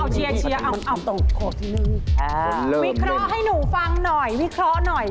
วิเคราะห์ให้หนูฟังหน่อยวิเคราะห์หน่อย